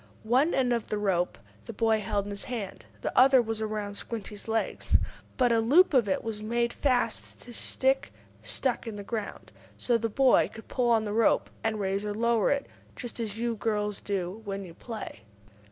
One end of the rope the boy held in his hand, and the other was around Squinty's leg, but a loop of it was made fast to a stick stuck in the ground, so the boy could pull on the rope and raise or lower it, just as you girls do when you play.